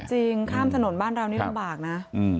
จริงข้ามถนนบ้านเรานี่ลำบากนะ